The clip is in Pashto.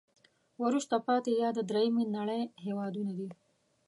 وروسته پاتې یا د دریمې نړی هېوادونه دي.